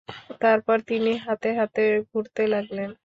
তারপর তিনি হাতে হাতে ঘুরতে লাগলেন।